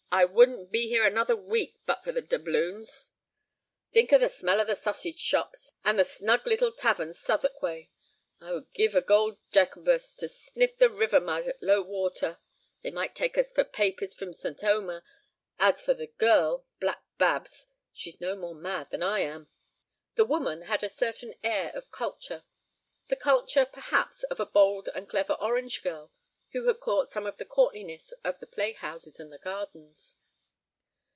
I wouldn't be here another week but for the doubloons! Think of the smell of the sausage shops and the snug little taverns Southwark way! I would give a gold Jacobus to sniff the river mud at low water. They might take us for papists from St. Omer; as for the girl—Black Babs, she's no more mad than I am." The woman had a certain air of culture—the culture, perhaps, of a bold and clever orange girl who had caught some of the courtliness of the playhouses and the gardens.